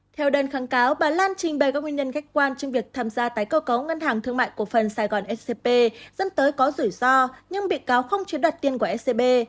theo đơn kháng cáo bà lan trình bày các nguyên nhân gách quan trong việc tham gia tái cầu cấu ngân hàng thương mại của phần sài gòn scp dẫn tới có rủi ro nhưng bị cáo không chế đoạt tiền của scp